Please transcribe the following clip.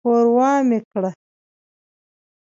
ښوروا مې کړه.